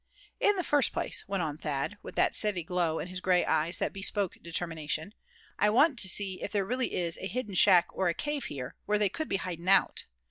"In the first place," went on Thad, with that steady glow in his gray eyes that bespoke determination; "I want to see if there really is a hidden shack or a cave here, where they could be hiding out.